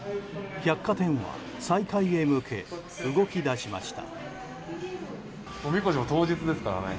百貨店は再開へ向け動き出しました。